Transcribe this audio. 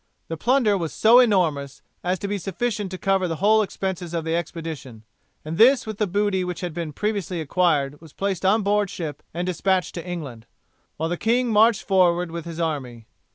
The plunder was so enormous as to be sufficient to cover the whole expenses of the expedition, and this with the booty which had been previously acquired was placed on board ship and despatched to England, while the king marched forward with his army.